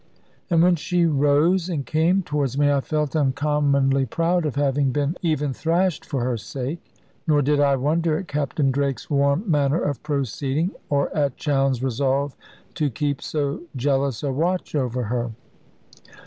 And when she rose and came towards me, I felt uncommonly proud of having been even thrashed for her sake: nor did I wonder at Captain Drake's warm manner of proceeding, or at Chowne's resolve to keep so jealous a watch over her.